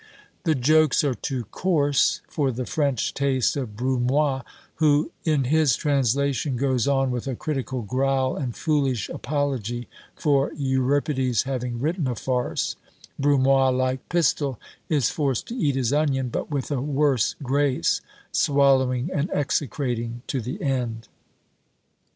The jokes are too coarse for the French taste of Brumoy, who, in his translation, goes on with a critical growl and foolish apology for Euripides having written a farce; Brumoy, like Pistol, is forced to eat his onion, but with a worse grace, swallowing and execrating to the end.